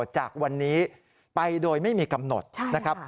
จากวันนี้ไปโดยไม่มีกำหนดนะครับ